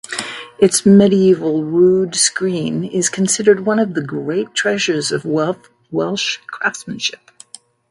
Its medieval rood screen is considered "one of the great treasures of Welsh craftsmanship".